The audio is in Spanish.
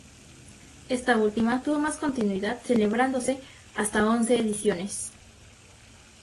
Esta última tuvo más continuidad celebrándose hasta once ediciones.